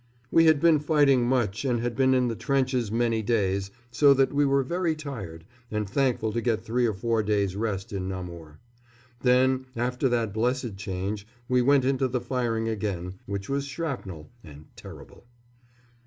We had been fighting much and had been in the trenches many days, so that we were very tired, and thankful to get three or four days' rest in Namur. Then, after that blessed change, we went into the firing again, which was shrapnel, and terrible.